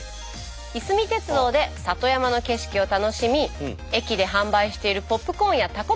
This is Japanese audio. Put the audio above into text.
いすみ鉄道で里山の景色を楽しみ駅で販売しているポップコーンやたこ